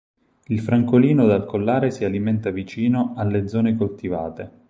Il francolino dal collare si alimenta vicino alle zone coltivate.